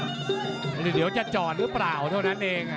เดี๋ยวจะจอดหรือเปล่าเท่านั้นเอง